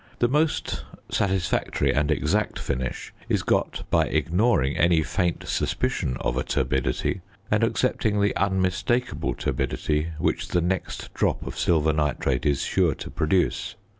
The most satisfactory and exact finish is got by ignoring any faint suspicion of a turbidity and accepting the unmistakable turbidity which the next drop of silver nitrate is sure to produce.